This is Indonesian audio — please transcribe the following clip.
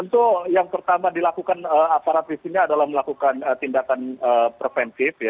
tentu yang pertama dilakukan aparat di sini adalah melakukan tindakan preventif ya